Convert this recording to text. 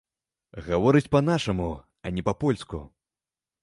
Гаворыць па-нашаму, а не па-польску.